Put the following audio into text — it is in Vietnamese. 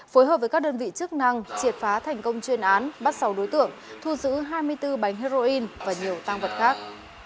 phối hợp với các đơn vị chức năng triệt phá thành công chuyên án bắt sáu đối tượng thu giữ hai mươi bốn bánh heroin và nhiều tăng vật khác